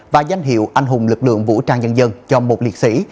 và danh hiệu anh hùng lực lượng vũ trang nhân dân cho một liệt sĩ